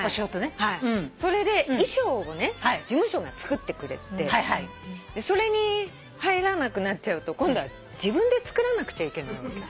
それで衣装をね事務所が作ってくれてそれに入らなくなっちゃうと今度は自分で作らなくちゃいけないわけ。